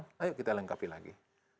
tapi kita pindah lagi